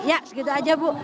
ya segitu aja bu